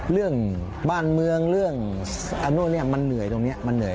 เรื่องบ้านเมืองเรื่องเนี่ยมันเหนื่อยตรงนี้มันเหนื่อย